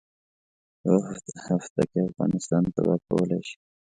یوه هفته کې افغانستان تباه کولای شي.